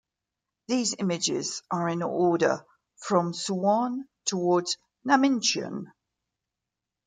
These images are in order from Suwon towards Namincheon.